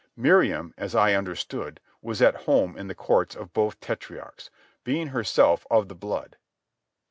Miriam, as I understood, was at home in the courts of both tetrarchs, being herself of the blood.